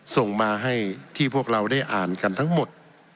ส่งมาให้ที่พวกเราได้อ่านกันทั้งหมด